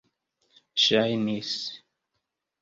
ŝajnis